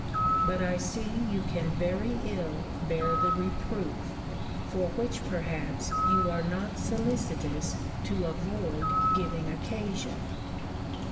But I see you can very ill bear the reproof, for which perhaps you are not solicitous to avoid giving occasion.